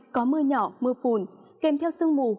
có mưa nhỏ mưa phùn kèm theo sương mù